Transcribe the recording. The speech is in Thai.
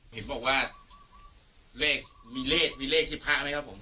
เห็นบอกว่าเลขมีเลขมีเลขที่พระไหมครับผม